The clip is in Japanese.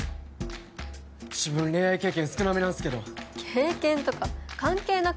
自分恋愛経験少なめなんすけど経験とか関係なくない？